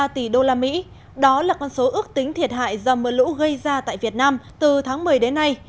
một ba tỷ đô la mỹ đó là con số ước tính thiệt hại do mưa lũ gây ra tại việt nam từ tháng một mươi đến nay